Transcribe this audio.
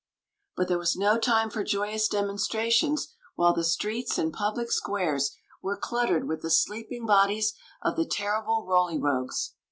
Queen Zixi of Ix; or, the But there was no time for joyous demonstrations while the streets and public squares were cluttered with the sleeping bodies of the terrible Roly Rogues.